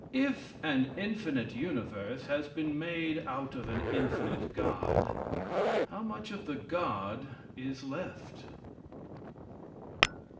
If an infinite universe has been made out of an infinite god, how much of the god is left?